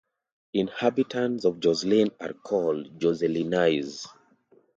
Inhabitants of Josselin are called "Josselinais".